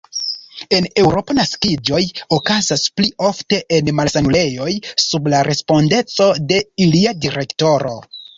En Eŭropo naskiĝoj okazas pli ofte en malsanulejoj sub la respondeco de ilia direktoro.